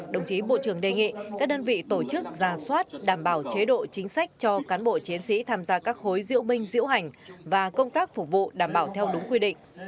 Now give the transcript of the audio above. đồng chí bộ trưởng đề nghị các đơn vị tổ chức ra soát đảm bảo chế độ chính sách cho cán bộ chiến sĩ tham gia các khối diễu binh diễu hành và công tác phục vụ đảm bảo theo đúng quy định